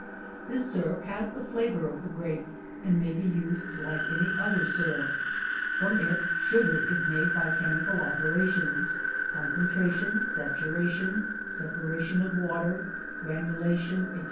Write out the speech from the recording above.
This syrup has the flavor of the grape, and may be used like any other syrup. From it sugar is made by chemical operations, concen tration, saturation, separation of water, granulation, &c.